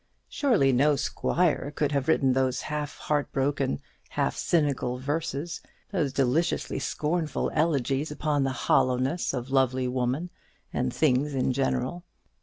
Surely no squire could have written those half heartbroken, half cynical verses, those deliciously scornful elegies upon the hollowness of lovely woman and things in general!